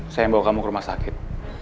saya yang bawa kamu ke rumah sakit